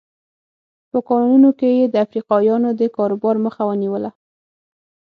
په کانونو کې یې د افریقایانو د کاروبار مخه ونیوله.